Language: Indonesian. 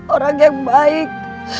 orang yang baik